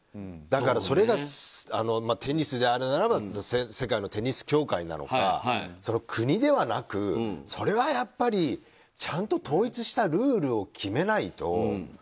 だから、それがテニスであるなら世界のテニス協会なのか国ではなく、それはちゃんと統一したルールを決めないと。